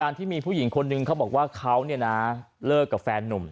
ที่มีผู้หญิงคนนึงเขาบอกว่าเขาเนี่ยนะเลิกกับแฟนนุ่ม